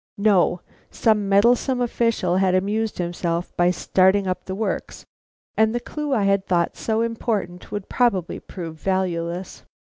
No! some meddlesome official had amused himself by starting up the works, and the clue I had thought so important would probably prove valueless.